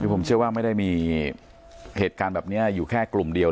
คือผมเชื่อว่าไม่ได้มีเหตุการณ์แบบนี้อยู่แค่กลุ่มเดียว